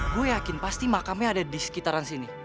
gue yakin pasti makamnya ada di sekitaran sini